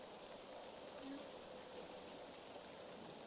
তিনি জালালাইন ও দুররে মুখতারের মতো তাফসীর ও ফিকহের বইও পড়াতেন।